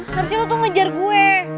harusnya lo tuh ngejar gue